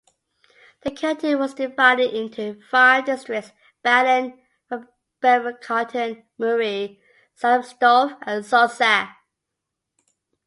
The canton was divided into five districts - Baden, Bremgarten, Muri, Sarmenstorf and Zurzach.